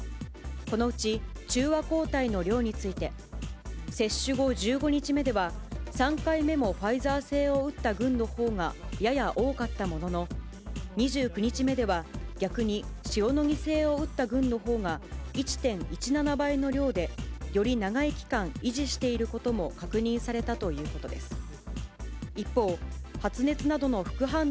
このうち中和抗体の量について、接種後１５日目では、３回目もファイザー製を打った群のほうがやや多かったものの、２９日目では、逆に塩野義製を打った群のほうが、１．１７倍の量で、より長い期間維持していることも確認されたということです。